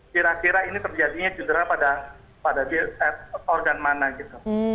kira kira ini terjadinya cendera pada organ mana gitu